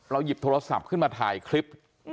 หยิบโทรศัพท์ขึ้นมาถ่ายคลิป